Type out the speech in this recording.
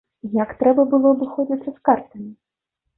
Як трэба было абыходзіцца з картамі?